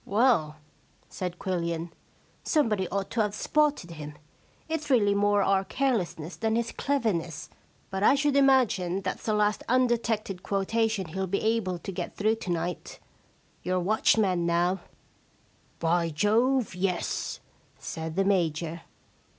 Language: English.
* Well,* said Quillian, * somebody ought to have spotted him. It's really more our carelessness than his cleverness. But I should imagine that's the last undetected quotation he will be able to get through to night. You're a watched man now.' * By Jove, yes,' said the Major.